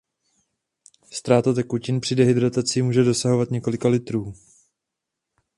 Ztráta tekutin při dehydrataci může dosahovat několika litrů.